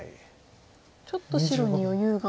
ちょっと白に余裕が。